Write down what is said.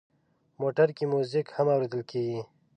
موټر کې میوزیک هم اورېدل کېږي.